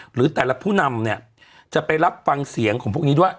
หรือแต่ละผู้นำเนี่ยจะไปรับฟังเสียงของพวกนี้ด้วย